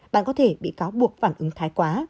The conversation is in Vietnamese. bạn có thể bị cáo buộc phản ứng thái quá